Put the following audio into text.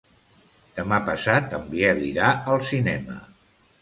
Demà passat en Biel irà al cinema.